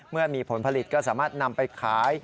เมื่อมีผลผลิตก็สามารถนำไปขาย